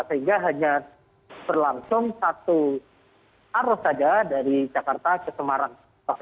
sehingga hanya berlangsung satu arus saja dari jakarta ke semarang